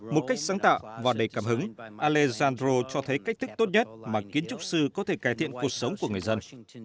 một cách sáng tạo và đầy cảm hứng alessandro cho thấy cách tức tốt nhất mà kiến trúc sư có thể cải thiện cuộc sống của người dân